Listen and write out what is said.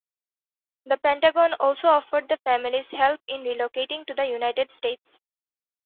The Pentagon also offered the families help in relocating to the United States.